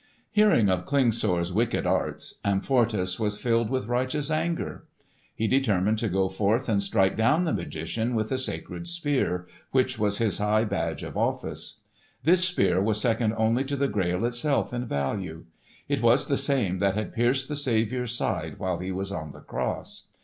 Hearing of Klingsor's wicked arts, Amfortas was filled with righteous anger. He determined to go forth and strike down the magician with the sacred Spear, which was his high badge of office. This Spear was second only to the Grail itself in value. It was the same that had pierced the Saviour's side while He was on the cross.